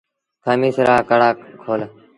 کميٚس رآ ڪڪڙآ کول۔